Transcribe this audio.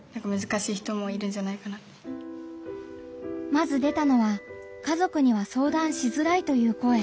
まず出たのは家族には相談しづらいという声。